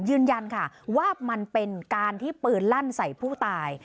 ยืนยันค่ะว่ามันเป็นการที่ปืนลั่นใส่ผู้ตาย